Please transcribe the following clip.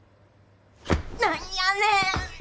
何やねん！